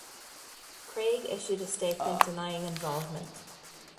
Craig issued a statement denying involvement.